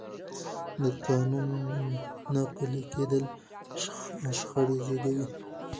د قانون نه پلي کېدل شخړې زېږوي